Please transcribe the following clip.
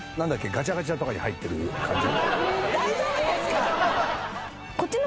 ガチャガチャとかに入ってる感じ。